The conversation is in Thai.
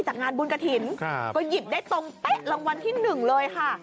จากงานบุญกระถิ่นก็หยิบได้ตรงเป๊ะรางวัลที่๑เลยค่ะ